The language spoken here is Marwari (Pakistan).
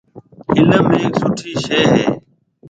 علم هيَڪ سُٺِي شئي هيَ۔